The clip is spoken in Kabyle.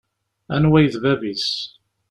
Anwa i d bab-is?